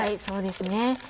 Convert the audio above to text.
そうですね。